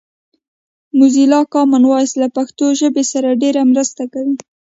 موزیلا کامن وایس له پښتو ژبې سره ډېره مرسته کوي